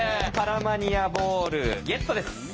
パラマニアボールゲットです。